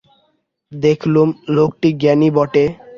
দেখলুম লোকটি জ্ঞানী বটে।